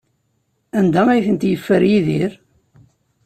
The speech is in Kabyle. Anda ay t-yeffer Yidir?